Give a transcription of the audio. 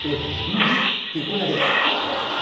むきって、これだけです。